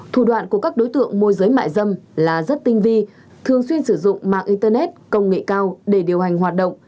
thủ đoạn của các đối tượng môi giới mại dâm là rất tinh vi thường xuyên sử dụng mạng internet công nghệ cao để điều hành hoạt động